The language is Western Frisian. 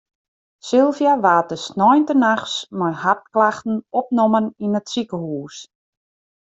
Sylvia waard de sneintenachts mei hartklachten opnommen yn it sikehûs.